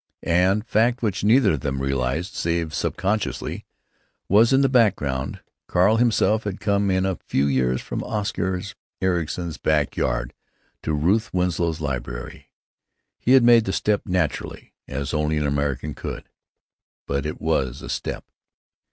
And a fact which neither of them realized, save subconsciously, was in the background: Carl himself had come in a few years from Oscar Ericson's back yard to Ruth Winslow's library—he had made the step naturally, as only an American could, but it was a step.